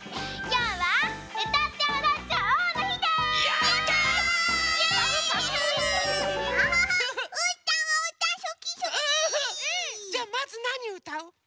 じゃあまずなにうたう？